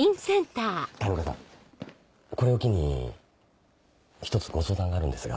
谷岡さんこれを機に一つご相談があるんですが。